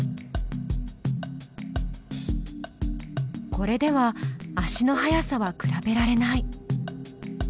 これでは足の速さは比べられない。